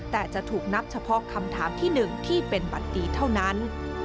แต่จะถูกนับเฉพาะคำถามที่๑ที่เป็นบัตรดีเท่านั้น